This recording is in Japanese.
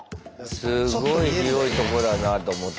すごい広いとこだなと思った。